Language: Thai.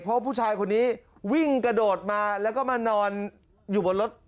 เพราะผู้ชายคนนี้วิ่งกระโดดมาแล้วก็มานอนอยู่บนรถ